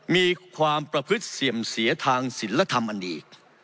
มีความประพฤติเสื่อมเสียทางศิลธรรมอันดี